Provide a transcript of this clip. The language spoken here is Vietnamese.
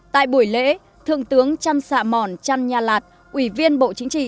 tại buổi lễ thượng tướng trăn xạ mòn trăn nha lạt ủy viên bộ chính trị